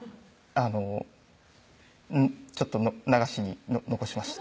あのちょっと流しに残しました